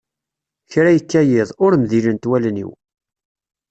kra yekka yiḍ, ur mdilent wallen-iw.